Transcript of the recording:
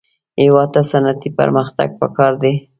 هېواد ته صنعتي پرمختګ پکار دی